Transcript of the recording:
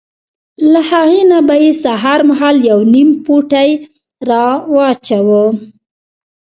له هغې نه به یې سهار مهال یو نیم پوټی را اچاوه.